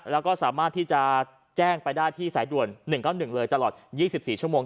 แล้วก็สามารถที่จะแจ้งไปได้ที่สายด่วน๑๙๑เลยตลอด๒๔ชั่วโมง